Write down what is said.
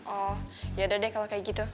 oh ya udah deh kalau kayak gitu